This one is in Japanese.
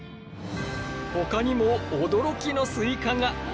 ほかにも驚きのスイカが。